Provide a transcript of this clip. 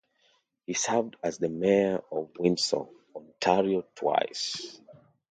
He served as the mayor of Windsor, Ontario twice.